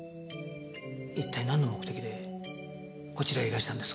一体なんの目的でこちらへいらしたんですか？